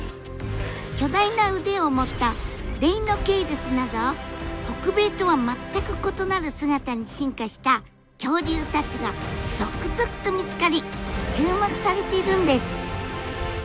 巨大な腕を持ったデイノケイルスなど北米とは全く異なる姿に進化した恐竜たちが続々と見つかり注目されているんです。